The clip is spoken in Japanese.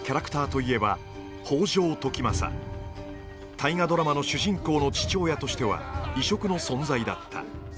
「大河ドラマ」の主人公の父親としては異色の存在だった。